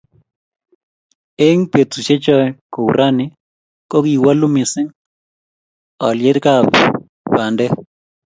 eng betusiechoe, kou rani ko kiwoolu mising olyekab bandek